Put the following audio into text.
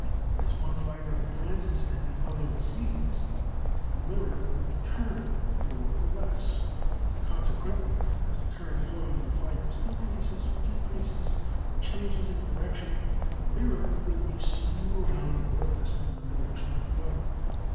As one fibre advances and the other recedes the mirror will be turned more or less. Consequently, as the current flowing in the fibres increases or decreases, or changes in direction, the mirror will be slewed round more or less in one direction or the other.